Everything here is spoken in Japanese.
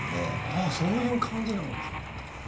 あそういう感じなんですね。